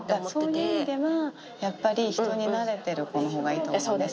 そういう意味では、やっぱり、人になれてる子のほうがいいかもしれないです。